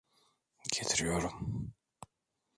Getiriyorum.